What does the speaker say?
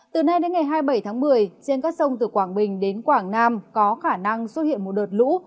từ nay đến ngày hai mươi bảy tháng một mươi trên các sông từ quảng bình đến quảng nam có khả năng xuất hiện một đợt lũ